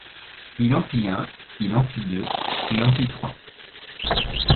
Il en fit un, il en fit deux, il en fit trois.